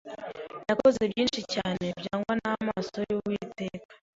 nakoze byinshi cyane byangwa n’amaso y’uwiteka